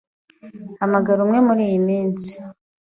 Hamagara umwe muriyi minsi.